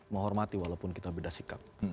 menghormati walaupun kita beda sikap